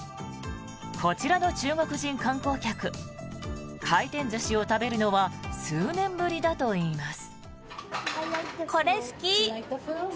こちらの中国人観光客回転寿司を食べるのは数年ぶりだといいます。